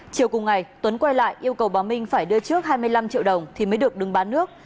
chiều cùng ngày tuấn quay lại yêu cầu bà minh phải đưa trước hai mươi năm triệu đồng thì mới được đứng bán nước